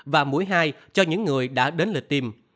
và mũi hai cho những người đã đến lịch tiêm